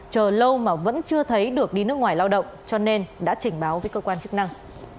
chờ lâu mà vẫn chưa thấy được đi nước ngoài lao động cho nên đã trình báo với cơ quan chức năng